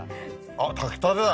あっ炊きたてだ